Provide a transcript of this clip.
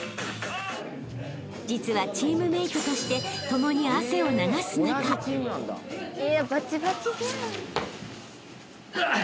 ［実はチームメートとして共に汗を流す仲］うっ！